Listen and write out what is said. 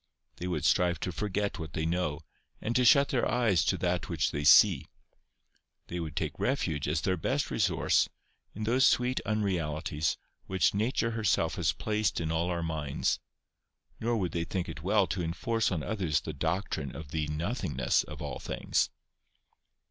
They would strive to forget what they know, and to shut their eyes to that which they see. They would take refuge, as their best resource, in those sweet unrealities, which Nature herself has placed in all our minds ; nor would they think it well to enforce on others the doctrine of the nothingness of all things.